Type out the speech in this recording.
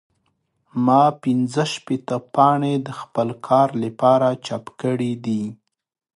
ما پنځه شپېته پاڼې د خپل کار لپاره چاپ کړې دي.